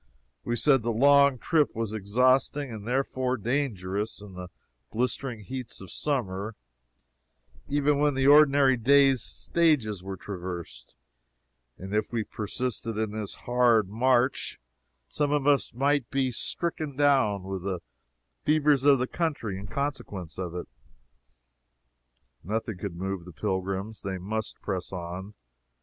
We said the "long trip" was exhausting and therefore dangerous in the blistering heats of summer, even when the ordinary days' stages were traversed, and if we persisted in this hard march, some of us might be stricken down with the fevers of the country in consequence of it. Nothing could move the pilgrims. They must press on.